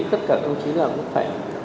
tất cả công chí là có thể